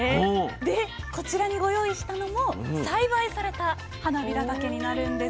でこちらにご用意したのも栽培されたはなびらたけになるんです。